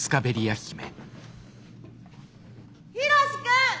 「ヒロシ君！